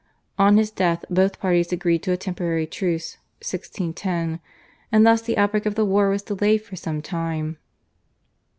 On his death both parties agreed to a temporary truce (1610), and thus the outbreak of the war was delayed for some time.